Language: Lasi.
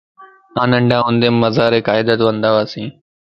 آن ننڍاھوندي مزار قائدت ونداھوياس